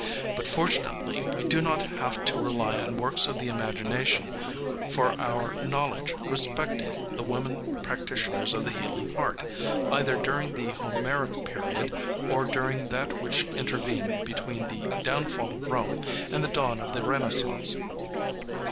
But, fortunately, we do not have to rely on works of the imagination for our knowledge respecting the women practitioners of the healing art, either during the Homeric period or during that which intervened between the downfall of Rome and the dawn of the Renaissance.